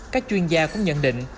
các chuyên gia cũng nhận định